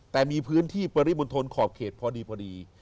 แต่มีพื้นที่ปริมณ์ทนขอบเขตพอดี